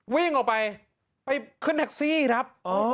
วิ่งออกไปไปขึ้นแท็กซี่ครับ